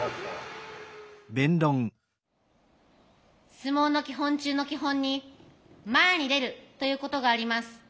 相撲の基本中の基本に「前に出る」ということがあります。